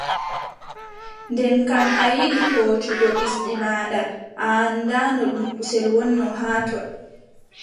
Nden kam a yiɗi hoocugo ɗisdi maaɗa, a anndaano ɗum kusel wonno haa ton.